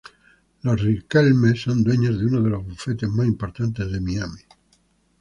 Los Riquelme son dueños de uno de los bufetes más importantes de Miami.